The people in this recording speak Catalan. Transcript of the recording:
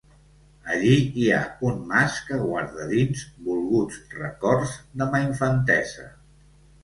Allí hi ha un mas que guarda dins, volguts records de ma infantesa.